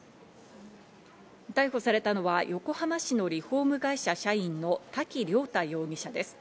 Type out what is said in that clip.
逮捕されたのは横浜市のリフォーム会社社員の滝良太容疑者です。